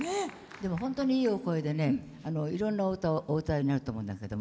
でも本当に、いいお声でいろんなお歌をお歌いになると思いますけど